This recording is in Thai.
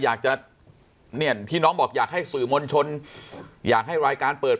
อยากจะเนี่ยที่น้องบอกอยากให้สื่อมวลชนอยากให้รายการเปิด